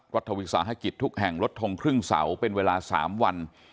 รัฐวิสาหกิจทุกแห่งลดทงครึ่งเสาเป็นเวลา๓วัน